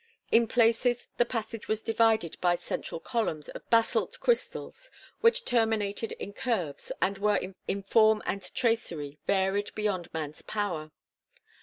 In places the passage was divided by central columns of basalt crystals, which terminated in curves, and were in form and tracery varied beyond man's power.